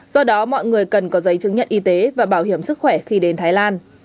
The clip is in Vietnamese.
do đó mọi người cần có giấy chứng nhận y tế và bảo hiểm sức khỏe khi đến thái lan